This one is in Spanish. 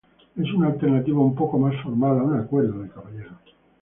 Es una alternativa un poco más formal a un acuerdo de caballeros.